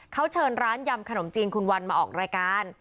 เขาเชิญร้านยำขนมจีนคุณวันมาออกรายการ